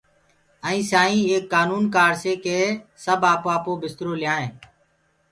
ائينٚ سائينٚ ايڪ ڪآنونٚ ڪآڙَسي ڪي سب آپو آپو بِسترو ليآئينٚ